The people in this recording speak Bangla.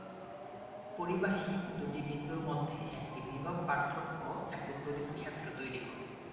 পরিবাহীর দুটি বিন্দুর মধ্যে একটি বিভব পার্থক্য একটি তড়িৎ ক্ষেত্র তৈরি করে।